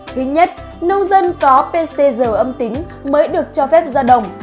thứ nhất nông dân có pcr âm tính mới được cho phép ra đồng